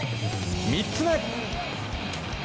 ３つ目！